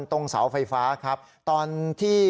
ตรงเสาไฟฟ้าครับตอนที่